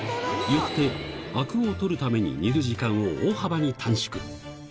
よって、あくを取るために煮る時間を大幅に短縮。